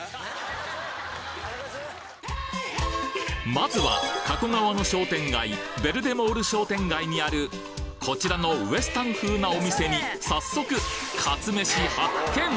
まずは加古川の商店街ベルデモール商店街にあるこちらのウエスタン風なお店に早速かつめし発見！